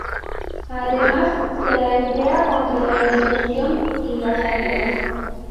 Además, se la emplea contra la indigestión y las amebas.